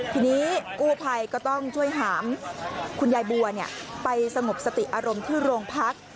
ทีนี้กู้ภัยก็ต้องช่วยหามคุณยายบัวไปสงบสติอารมณ์ที่โรงพัก